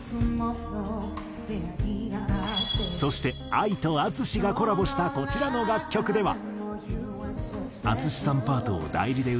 そしてＡＩとＡＴＳＵＳＨＩがコラボしたこちらの楽曲では。